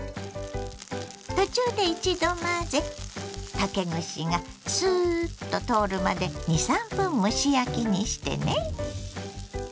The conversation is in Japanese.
途中で一度混ぜ竹串がスーッと通るまで２３分蒸し焼きにしてね。